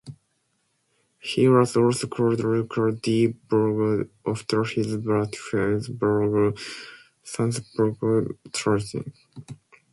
He was also called Luca di Borgo after his birthplace, Borgo Sansepolcro, Tuscany.